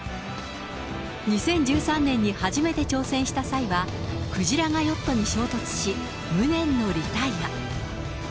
２０１３年に初めて挑戦した際は、クジラがヨットに衝突し、無念のリタイア。